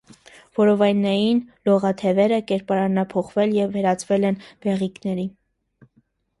Որովայնային լողաթևերը կերպարանափոխվել և վերածվել են բեղիկների։